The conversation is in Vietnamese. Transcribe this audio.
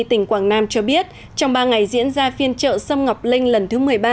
tỉnh quảng nam cho biết trong ba ngày diễn ra phiên trợ sâm ngọc linh lần thứ một mươi ba